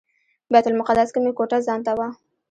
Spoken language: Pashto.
بیت المقدس کې مې کوټه ځانته وه.